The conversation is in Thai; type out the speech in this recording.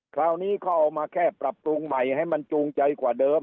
คราวนี้เขาเอามาแค่ปรับปรุงใหม่ให้มันจูงใจกว่าเดิม